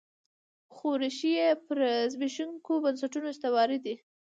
خو ریښې یې پر زبېښونکو بنسټونو استوارې دي.